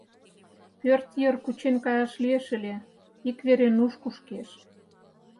Пӧрт йыр кучен каяш лиеш ыле, ик вере нуж кушкеш.